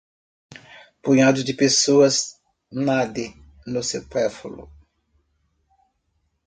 punhado de pessoas nade no supérfluo